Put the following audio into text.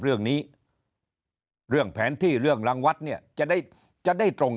เรื่องนี้เรื่องแผนที่เรื่องรังวัดเนี่ยจะได้จะได้ตรง